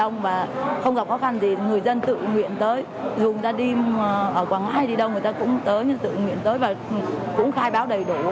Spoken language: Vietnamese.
ngoài đi đâu người ta cũng tới tự nguyện tới và cũng khai báo đầy đủ